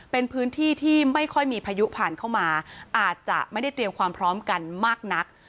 เป็นพื้นที่ที่ไม่ค่อยมีพายุผ่านเข้ามาอาจจะไม่ได้เตรียมความพร้อมกันมากนัก